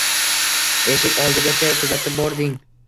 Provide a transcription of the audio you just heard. Eshik oldigacha kuzatib bording.